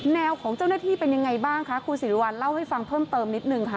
แนวของเจ้าหน้าที่เป็นยังไงบ้างคะคุณสิริวัลเล่าให้ฟังเพิ่มเติมนิดนึงค่ะ